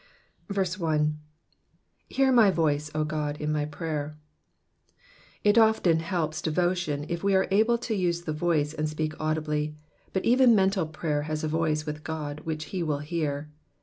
1. ^^Hear my voice, 0 Qod, in my prayer,'*'* It often helps devotion if we are able to use the voice and speak audibly ; but even mental prayer has a voice with God which he will hear.